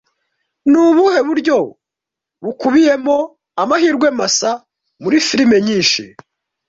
Ni ubuhe buryo bukubiyemo amahirwe masa muri firime nyinshi